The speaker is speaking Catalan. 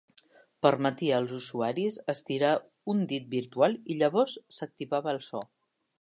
Permetia als usuaris estirar un dit virtual, i llavors s'activava el so.